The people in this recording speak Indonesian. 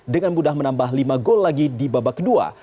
dengan mudah menambah lima gol lagi di babak kedua